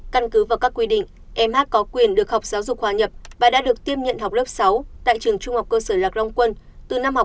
căn cứ vào các quy định mh có quyền được học giáo dục hòa nhập và đã được tiếp nhận học lớp sáu tại trường trung học cơ sở lạc long quân từ năm học hai nghìn hai mươi hai nghìn hai mươi một